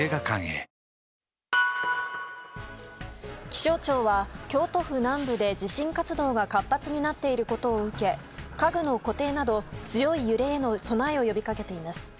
気象庁は京都府南部で地震活動が活発になっていることを受け家具の固定など強い揺れへの備えを呼びかけています。